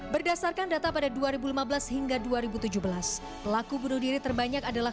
berdasarkan data pada dua ribu lima belas hingga dua ribu tujuh belas pelaku bunuh diri terbanyak adalah